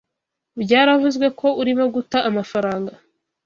Byaravuzwe ko urimo guta amafaranga.